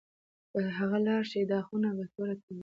که هغه لاړه شي، دا خونه به توره تیاره شي.